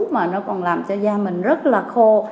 mà nó còn làm cho da mình rất là khô